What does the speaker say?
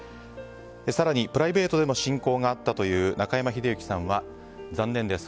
更にプライベートでも親交があったという中山秀征さんは残念です